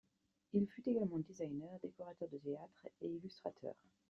Il fut également designer, décorateur de théâtre et illustrateur.